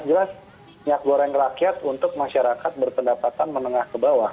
jelas minyak goreng rakyat untuk masyarakat berpendapatan menengah ke bawah